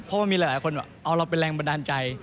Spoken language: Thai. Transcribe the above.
เพราะว่ามีหลายคนบอกเอาเราเป็นแรงบันดาลใจ